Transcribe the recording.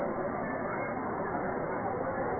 ก็จะมีอันดับอันดับอันดับ